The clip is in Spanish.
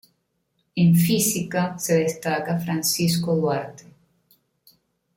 En física se destaca Francisco Duarte.